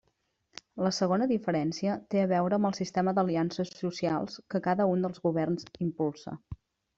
La segona diferència té a veure amb el sistema d'aliances socials que cada un dels governs impulsa.